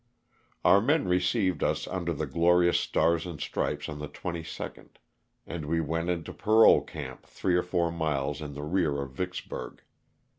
•Our men received us under the glorious stars and stripes on the 32d, and wo went into parole camp three or four miles in the rear of Vicksburg.